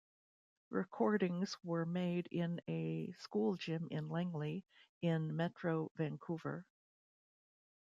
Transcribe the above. Recordings were made in a school gym in Langley, in Metro Vancouver.